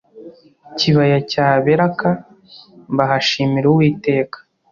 kibaya cya beraka bahashimira uwiteka